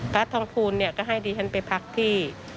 พระทองภูลก็ให้ดีแห้งไปพักที่